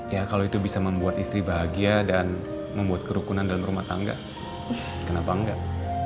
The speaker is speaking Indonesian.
ya kalau itu bisa membuat istri bahagia dan membuat kerukunan dalam rumah tangga kenapa enggak